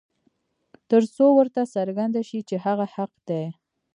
تر څو ورته څرګنده شي چې هغه حق دى.